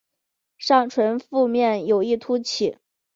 上唇腹面有一突起。